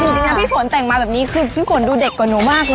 จริงนะพี่ฝนแต่งมาแบบนี้คือพี่ฝนดูเด็กกว่าหนูมากเลย